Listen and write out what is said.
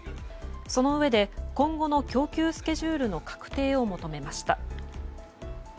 そのうえで、今後の供給スケジュールの確定を求めました。